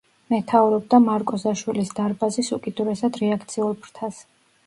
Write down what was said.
მეთაურობდა „მარკოზაშვილის დარბაზის“ უკიდურესად რეაქციულ ფრთას.